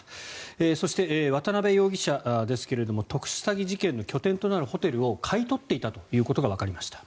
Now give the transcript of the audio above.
そして、渡邉容疑者ですが特殊詐欺事件の拠点となるホテルを買い取っていたことがわかりました。